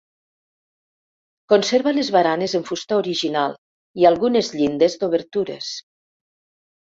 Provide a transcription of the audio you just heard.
Conserva les baranes en fusta original i algunes llindes d'obertures.